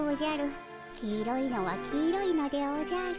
黄色いのは黄色いのでおじゃる。